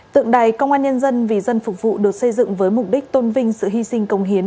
tượng đài công an nhân dân vì dân phục vụ được xây dựng với mục đích tôn vinh sự hy sinh công hiến